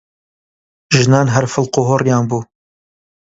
ژنان هەر فڵقوهۆڕیان بوو!